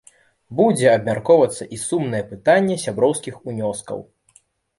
Будзе абмяркоўвацца і сумнае пытанне сяброўскіх унёскаў.